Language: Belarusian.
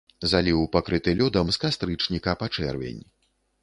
Заліў пакрыты лёдам з кастрычніка па чэрвень.